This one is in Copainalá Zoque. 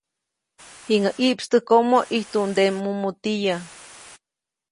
Jiŋäʼ ʼiʼpstäjkomo, ʼijtuʼnde mumutiyä.